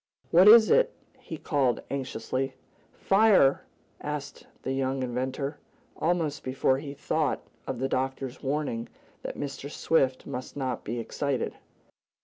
"What is it?" he called anxiously. "Fire!" answered the young inventor, almost before he thought of the doctor's warning that Mr. Swift must not be excited.